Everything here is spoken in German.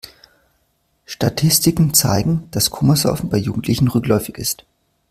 Statistiken zeigen, dass Komasaufen bei Jugendlichen rückläufig ist.